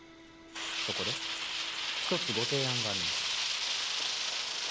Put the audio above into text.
そこで一つご提案があります